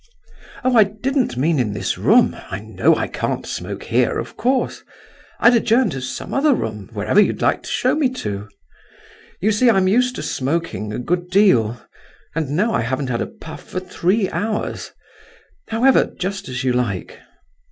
"Oh, I didn't mean in this room! I know I can't smoke here, of course. I'd adjourn to some other room, wherever you like to show me to. You see, I'm used to smoking a good deal, and now I haven't had a puff for three hours; however, just as you like."